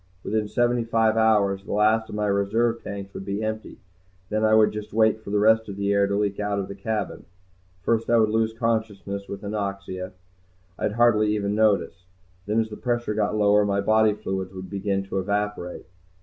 Within seventy five hours the last of my reserve tanks would be empty. Then I would just wait for the rest of the air to leak out of the cabin. First I would lose consciousness with anoxia. I'd hardly even notice. Then as the pressure got lower my body fluids would begin to evaporate.